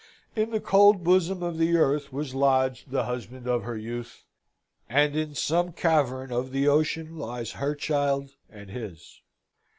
In the cold bosom of the earth was lodged the husband of her youth, and in some cavern of the ocean lies her child and his!